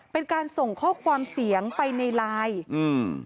เป็นการส่งข้อความเสียงไปในไลน์อืม